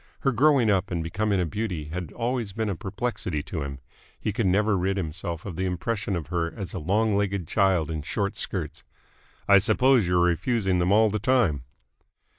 Her growing up and becoming a beauty had always been a perplexity to him. He could never rid himself of the impression of her as a long legged child in short skirts. "I suppose you're refusing them all the time?"